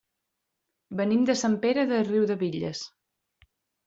Venim de Sant Pere de Riudebitlles.